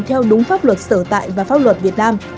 theo đúng pháp luật sở tại và pháp luật việt nam